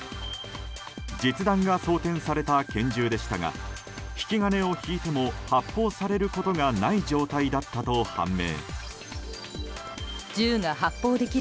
実弾が装填された拳銃でしたが引き金を引いても発砲されることがない状態だったと判明。